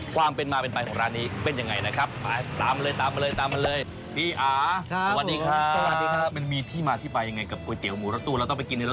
ความเป็นมาเป็นไปของร้านนี้เป็นยังไงนะครับ